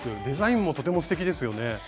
デザインもとてもすてきですよね。